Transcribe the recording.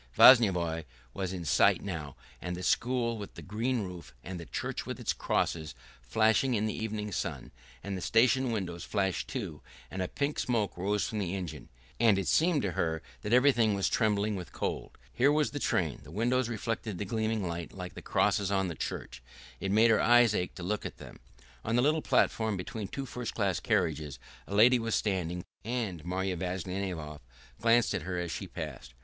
Vyazovye was in sight now, and the school with the green roof, and the church with its crosses flashing in the evening sun: and the station windows flashed too, and a pink smoke rose from the engine... and it seemed to her that everything was trembling with cold. Here was the train; the windows reflected the gleaming light like the crosses on the church: it made her eyes ache to look at them. On the little platform between two first class carriages a lady was standing, and Marya Vassilyevna glanced at her as she passed.